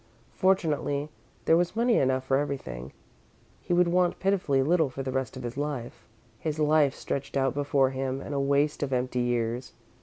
Fortunately there was money enough for everything he would want pitifully little for the rest of his life. His life stretched out before him in a waste of empty years.